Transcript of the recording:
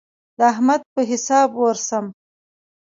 د احمد په حساب ورسم.